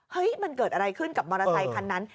มันเกิดอะไรขึ้นกับมอเตอร์ไซคันนั้น